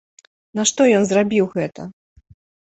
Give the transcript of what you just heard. Нашто ён зрабіў гэта?